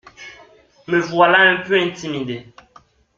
Me voilà un peu intimidé.